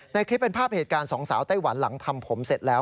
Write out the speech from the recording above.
ในคลิปเป็นภาพเหตุการณ์สองสาวไต้หวันหลังทำผมเสร็จแล้ว